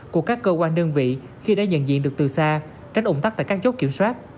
của các cơ quan đơn vị khi đã nhận diện được từ xa tránh ủng tắc tại các chốt kiểm soát